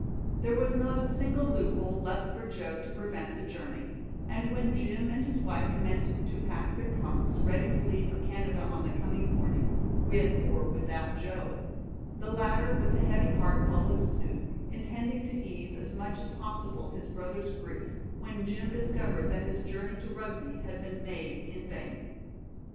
There was not a single loop hole left for Joe to prevent the journey, and when Jim and his wife commenced to pack their trunks, ready to leave for Canada on the coming morning, with or without Joe, the latter with a heavy heart followed suit, intending to ease as much as possible his brother's grief when Jim discovered that his journey to Rugby had been made in vain.